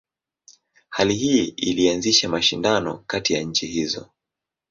Hali hii ilianzisha mashindano kati ya nchi hizo.